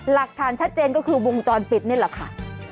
หลักฐานชัดเจนก็คือวงจรปิดนี่แหละค่ะ